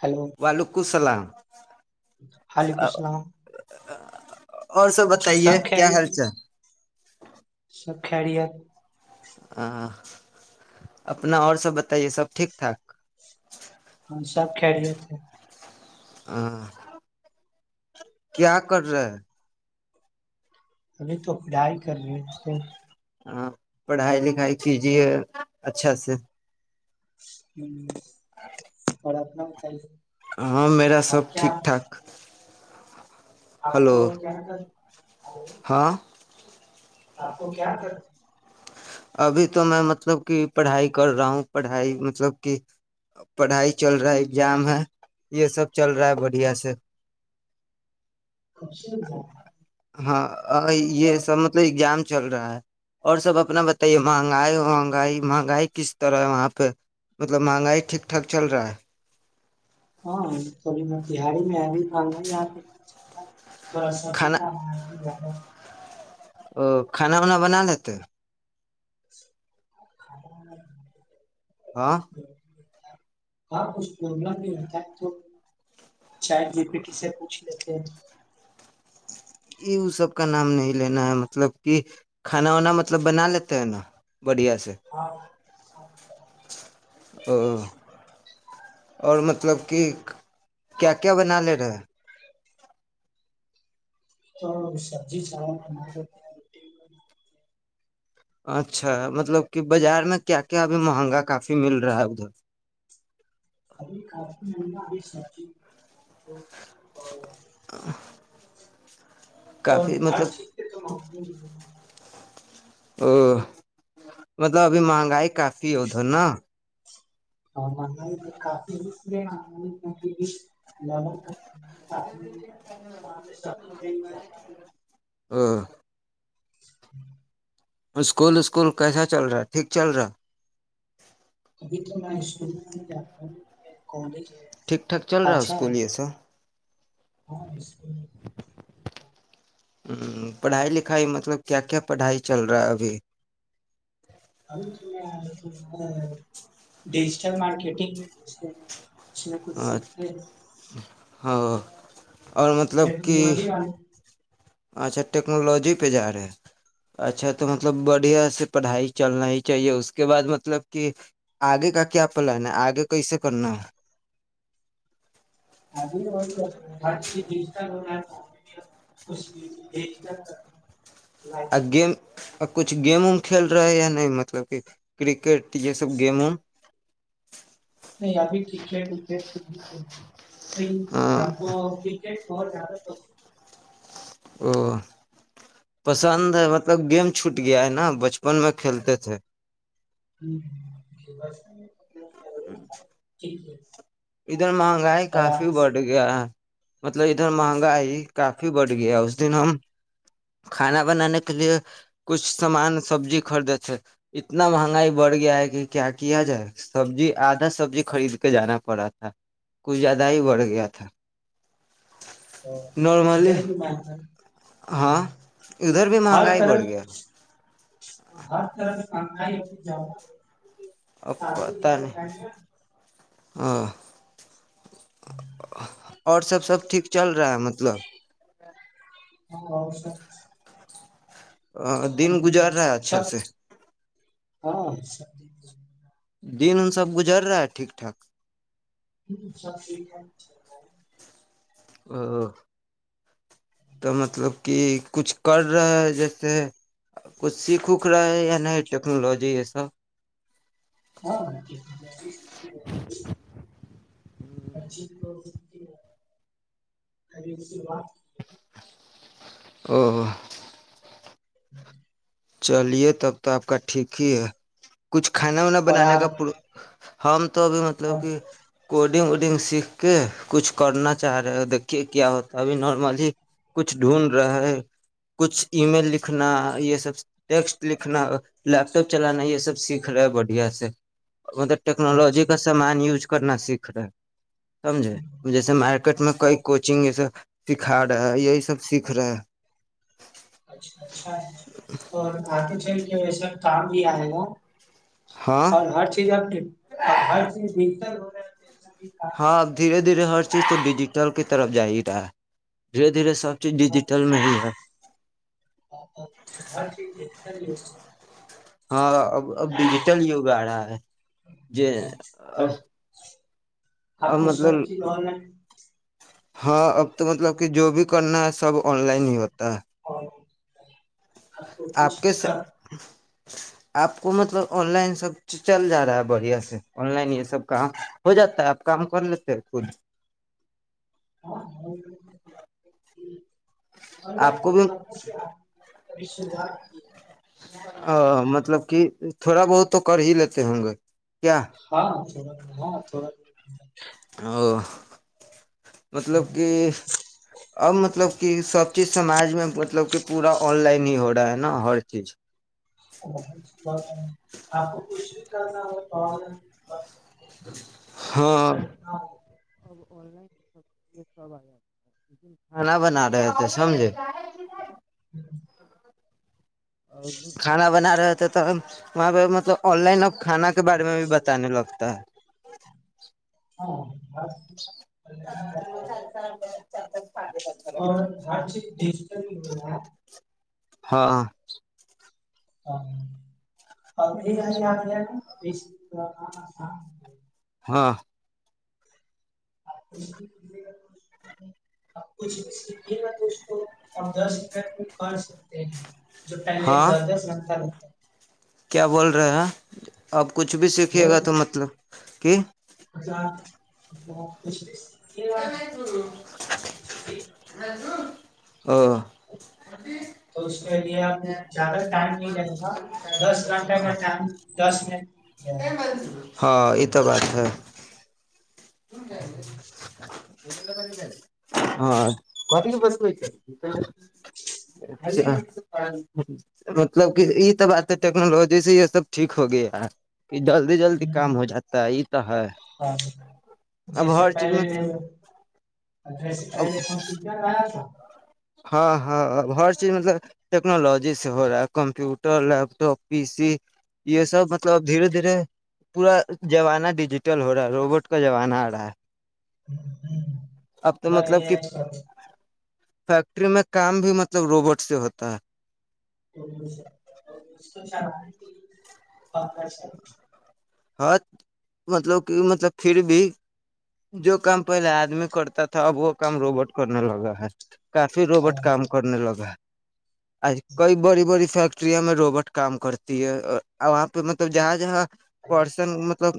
Hello وعلیکم السلام وعلیکم السلام اور سب بتائیے کیا خیریت حال ہے؟ چ سب خیرت ا اپنا اور سب بتا یہ سب ٹھیک ٹھاک اچ ہاں سب کھی رہے تھے ہاں کیا کر رہا ابھی تو ک کر رہ تھ ہاں پڑھائی لکھائی کیجیے اچھا سے ہ اورر ب تاری ہاں میرا سب ٹھیک ٹھاک آپ ہلو کو کیا ن تھا ہاں آپ کو کیا کر ابھی تو میں مطلب کہ پڑھائی کر رہا ہوں پڑھائی مطلب کہ پڑھائی چل رہا ہے ایگزام ہے یہ سب چل رہا ہے بڑھیا سے خشز ہاں یہ سب مطلب ایزام چل رہا ہے اور سب اپنا بتائیے مہنگائی مہنگائی مہنگائی کس طرح ہے وہاں پہ مطلب مہنگائی ٹھیک ٹھاک چل رہا ہے ہاں میں تہاڑی میں ابھی پ تھوڑا ساب بھی کھانا کاما گیا ہاں ا کھانا وناا بنا لیتے [inaudible] ہاں اور کچھ ملہ بھی ہوتا ہے تو چاید جی پ کس سے پوچھ [inaudible] یہ وہ سب کا نام نہیں لینا ہے مطلب کہ کھانا وانا مطلب بنا لیتے ہے نا بڑھیا سے [inaudible] ا اور مط مطلب کہ کیا کیا بنا لے رہے تو سا جی [unintelligible] اچھا مطلب کہ بازار میں کیا کیا ابھی مہنگا کافی مل رہا ہے ادھر ابھی س [unintelligible] ہ اور باہر سیکتے توم جی او مطلب ابھی مہنگائی کافی ادر ن فے اور پڑے ہاں [unintelligible] اسکول اسکول کیسا چل رہا ہے ٹھیک چل رہا ابھی تو میں اسکول میں نہیں جا ہوں کالج ہے ٹھیک ٹھاک چل رہا ہے اسکول یہ سا ہاں اسک ہ پڑھائی لکھائی مطلب کیا کیا پڑھائی چل رہا ہے ابھی ڈجٹل مارکیٹگ میں اس میں کچھ سیکھتا ہے ہاں اور مطلب کہ ٹیکنالوجی والے اچھا ٹیکنالوجی پہ جا رہے ہیں اچھا تو مطلب بڑھیا سے پڑھائی چلنا ہی چاہیے اس کے بعد مطلب کہ آگے کا کیا پلان ہے آگے کیسے کرنا ہے ابھی دھ کر اگے اور کچھ گیم وم کھی رہے نہیں مطلب کہ کرکٹ یہ سب گیموںم نہیں ابھی ٹھیک ہے آپ بہت زیادہ تو او پسند ہے مطلب گیم چھوٹ گیا ہے نا بچپن میں کھیلتے تھے ہ ج ب جٹھ ج اھر مہنگائی کافی بڑھ گیا مطلب ادھر مہنگا ہے کافی کافی بڑ گیا اس دن ہم کھانا بنانے کے لیے کچھ سامان سبزی خرید سے اتنا مہنگائی بڑھ گیا ہے کہ کیا کیا جائے سبزی آدھا سبزی خرید کے لانا پڑا تھا کچھ زیادہ ہی بڑھ گیا تھا اہ، نارملی ادھر بھی میں ہاں ادھر بھی مہنگائی بڑھ گیا [inaudible] سار [inaudible] ہا اور سب سب ٹھیک چل رہا ہے مطلب [unintelligible] دن گزر رہا ہے اچھا سب سے ہاں دن ان سب گزر رہا ہے ٹھیک ٹھاک سب ٹھیک ہے ا تو مطلب کہ کچھ کر رہے ہے جیسے کچھ سیکھو [unintelligible] ٹیکنالوجی جی ایسا اور اری کی بات او [unintelligible] چلیے تب تو آپ کا ٹھیک ہی ہے کچھ کھانا وانا بنانے کا آپ پر ہم تو اب مطلب کہ کوٹ ڈنگ وڈنگ سیکھ کے کچھ کرنا چاہ رہے دیکھیے کیا ہوتا ہے ابھی نارملی کچھ ڈھونڈ رہا کچھ ای میل لکھنا یہ سب ٹیکسٹ لکھنا لیپ ٹاپ چلانا یہ سب سیکھ رہے بڑھیا سے مطلب ٹیکنالوجی اچھا کا سامان یوز کرنا سیکھ رہا ہے سمجھے جیسے مارکیٹ میں کئی ہاں کوچنگ جیسے سکھا رہے ہیں یہی سب سیکھ رہے ہیں اچھا اچھا اور آگے چل کے ویسے کام بھی آئے گا ہاں اور ہر چیز آپ نے ہر چیز ہو رہا بھی ہاں دھیرے کام دھیرے ہر چیز تو ڈیجیٹل کے طرف جائےٹا دھیرے دھیرے سب ڈیجیٹل میں ہی ہے ہر [unintelligible] ہاں اب اب ڈیجیٹل یوگ آ رہا ہے ج رہا ہے آپ اب کو مطلب سب چیز آن لائن ہاں اب تو مطلب کہ جو بھی کرنا ہے سب آن لائن ہی ہوتا ہے ہ آپ تو پس آپ کے کاار آپ کو مطلب آن لائن سب چل جا رہا ہے بڑھیا سے ان لائن یہ سب کام ہو جاتا ہے آپ کام کر لیتے خود ہاں اور آپ کو بھی لائن سے آپھی شروعات کی ا مطلب کہ تھوڑا بہت تو کر ہی لیتے ہوں گے کیا ہاں ہاں تھوڑا ا مب ا مب سی س مب پورا آن لائن ہی ہو رہا ہے نا ہر چیز ا آپ کو کچھ بھی کرنا ہو اور ب ہاں کر کھانا بنا رہے تھے سمجھے اور کھانا بنا رہے وہاں پہ مطلب آن لائن کھانا کے بارے میں بھی بتانے لگتا ہے ہاں اور ہر چیز ا ہاں ہاں اور ہاں آپ کچھے گا تو اس دس مٹ کر سکتے ہیں جوٹائ میں ہاں دس دس لگتا رہ کیا بول رہے ہیں آپ کچھ بھی سیکھیے گا تو مطلب کہ ا [inaudible] ا تو اس کے لیے زیادہ ٹائم نہیں رہے گا دس گھنٹہ کا ٹائم دس منٹ جائے گا ہاں یہ تو بات اھ اور اچ مطلب کہ یہ سب ب ٹیکنالوجی سے یہ سب ٹھیک ہو گیا کہ جلدی جلدی کام ہو جاتا ہے یہ تو ہے ہاں اب جیسے ہر چیز پہلے میں اب [unintelligible] [unintelligible] ہاں ہاں ہ ہر چیز مطلب ٹیکنالوجی سے ہو رہا ہے computer laptop P C یہ سب مطلب اب دھیرے دھیرے پورا زمانہ ڈیجیٹل ہو رہا ہے روبوٹ کا زمانہ آ رہا ہے اب [unintelligible] تو مطلب کہ [unintelligible] فیکٹری میں کام بھی مطلب روبوٹ سے ہوتا ہے اس کو چلانے کے لیے [unintelligible] ہ مطلب کہ مطلب پھر بھی جو کام پہلے آدمی کرتا تھا اب وہ کام روبوٹ کرنے لگا ہے کافی روبٹ کام کرنے لگا کئی بڑی بڑی فیکٹریاں میں روبٹ کام کرتی ہے وہاں پہ مطلب جہاں جہاں پرسن مطلب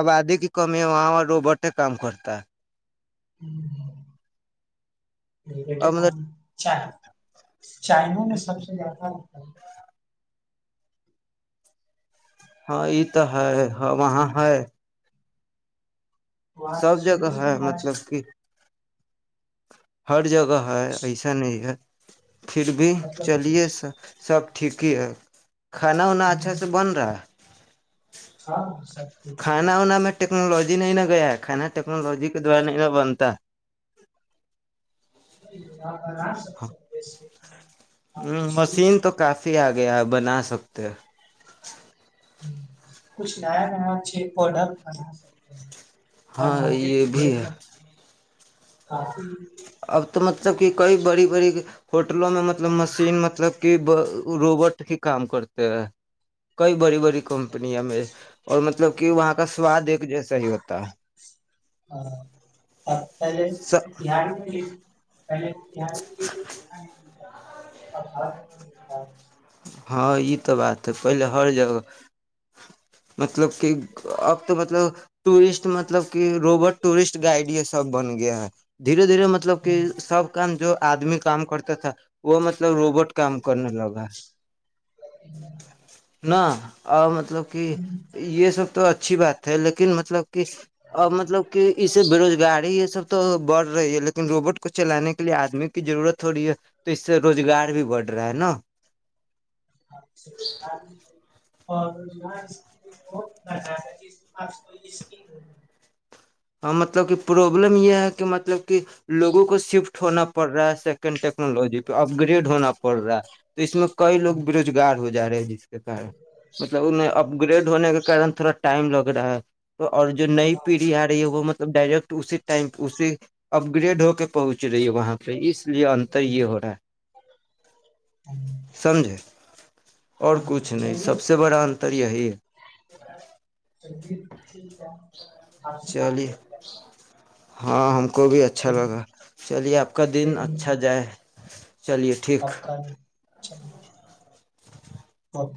آبادی کی کمی ہے وہاں اور روبٹ ٹ کام کرتا اور مطلب [unintelligible] [unintelligible] ہاں یہ تو ہے وہاں ہے وہاں سب سے شروع جگہ ہے سے مطلب کہ ہر جگہ ہوا ہے ایسا نہیں ہے پھر بھی چلیے سا سب ٹھیک ہی ہے کھانا وانا اچھا سے بن رہا ہے شان سک کھانا وانا میں ٹیکنالوجی نہیں ن گیا کھانا ٹیکنالوجی کے دوارا نہیں نہ بنتا ج ہ آپ ہ کچھ بھی مشین تو کافی آ آ گیا بنا سکتے ہیں کچھ نیا نیا اچھے پروڈکٹ بنا سکتے ہیں اور ہاں یہ مارکیٹ میں بھی بھیج ہے سکتے ہیں کافی اب تو مطلب کہ کئی بڑی بڑی فٹ میں مطلب مشین مطلب کہ روبوٹ ہی کام کرتے ہیں کئی بڑی بڑی کمپنیاں م اور مطلب کہ وہاں کا سواد ایک جیسا ہی ہوتا ہے اب پہلے س بہار میں بھی پہلے بہار میں بھی چھوٹا نہیں ملتا، اب ہر جگہ ملتا ہے، ہاں یہ تو بات ہے پہلے ہر جگہ مطلب کہ اب تو مطلب ٹورسٹ مطلب کہ روبٹ ٹورسٹ گائڈ یہ سب بن گیا ہے دھیرے دھیرے مطلب کہ سب کام جو آدمی کام کرتا تھا وہ مطلب مطلب روبوٹ کام کرنے لگا ہ نہ اور مطلب کہ یہ سب تو اچھی بات ہے لیکن مطلب اور مطلب کہ اس سے بےروزگاری یہ سب تو بڑ رہی ہے لیکن روبوٹ کو چلانے کے لیے آدمی کی ضرورت ہو رہی ہے تو اس سے روزگار بھی بڑھ رہا ہے نا سے روزگار ملتا [unintelligible] ہاں مطلب کہ پروبلم یہ ہے کہ مطلب کہ لوگوں کو شفٹ ہونا پڑ رہا ہے سیکنڈ ٹیکنالوجی پہ اپگریڈ ہونا پڑ رہا ہے تو اس میں کئی لوگ بےروزگار ہو جا رہے ہیں جس کے کارن مطلب انہیں اپ گریڈ ہونے کے کارن تھوڑا ٹائم لگ رہا ہے تو اور جو نئی نہیں پیڑھی ہے وہ مطلب ڈائریکٹ اسی ٹائم پ اسی اپ گریڈ ہو کے پہنچ رہی ہے وہاں پہ اس اس لیے اننتر یہ ہو رہا ہے سمجھے اور کچھ ہے۔ نہیں چلیے سب سے بڑا ان تر یہی ہے [unintelligible] آپ سے بات چالی کر کے اچھا ہاں ہم ہم کو بھی اچھا پھر لگا چلیے آپ کا دن پھر اچھا جائے چلیے ٹھیک چلوٹھیک اوک